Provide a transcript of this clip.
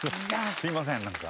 すいません何か。